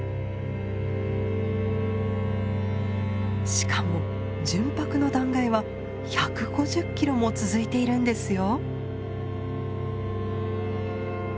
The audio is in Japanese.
しかも純白の断崖は１５０ｋｍも続いているんですよ。